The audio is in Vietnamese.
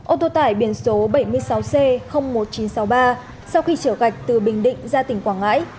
ô tô tải biển số bảy mươi sáu c một nghìn chín trăm sáu mươi ba sau khi trở gạch từ bình định ra tỉnh quảng ngãi